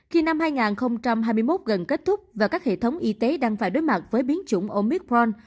khi năm hai nghìn hai mươi một gần kết thúc và các hệ thống y tế đang phải đối mặt với biến chủng omicron